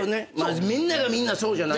みんながみんなそうじゃない。